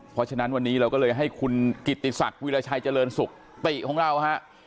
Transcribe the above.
เพราะฉะนั้นวันนี้เราก็เลยให้คุณกิติศักดิ์วิราชัยเจริญสุขติของเราฮะ